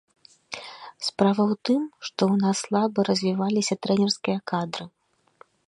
Справа ў тым, што ў нас слаба развіваліся трэнерскія кадры.